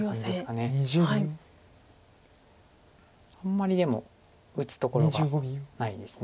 あんまりでも打つところがないです